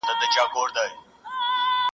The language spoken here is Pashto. برتانويان به ددې ماتي یادونه کوي.